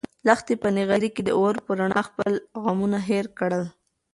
لښتې په نغري کې د اور په رڼا خپل غمونه هېر کړل.